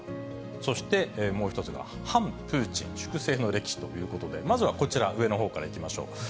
そしてもう一つが反プーチン、粛清の歴史ということで、まずはこちら、上のほうからいきましょう。